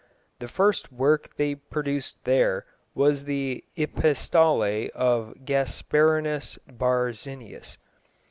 The first work they produced there was the Epistolæ of Gasparinus Barzizius.